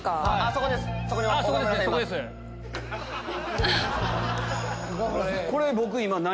そこです。